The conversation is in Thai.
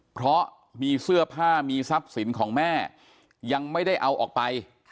เพราะมีเสื้อผ้ามีทรัพย์สินของแม่ยังไม่ได้เอาออกไป